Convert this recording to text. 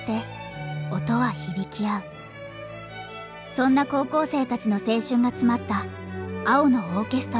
そんな高校生たちの青春が詰まった「青のオーケストラ」。